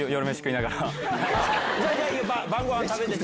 晩ごはん食べてて。